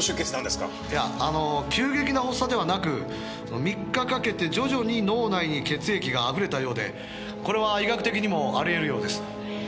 「いやあの急激な発作ではなく３日かけて徐々に脳内に血液があふれたようでこれは医学的にもありえるようです」